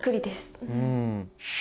うん。